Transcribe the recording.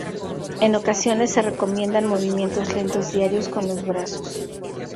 En ocasiones se recomiendan movimientos lentos diarios con los brazos.